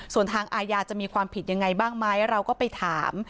ส่วนทางอาญาจะมีความผิดยังไงบ้างไหมเราก็ไปถาม